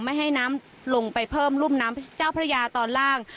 ไม่ให้น้ำลงไปเพิ่มรุ่มน้ำเจ้าพระยาตอนล่าง